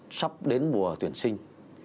sắp đến mùa tuyển sinh